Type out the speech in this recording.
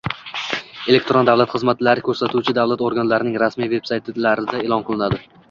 elektron davlat xizmatlari ko‘rsatuvchi davlat organlarining rasmiy veb-saytlarida e’lon qilinadi.